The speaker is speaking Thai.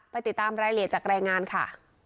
ติดตามรายละเอียดจากรายงานค่ะ